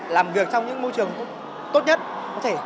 làm việc trong những môi trường tốt nhất có thể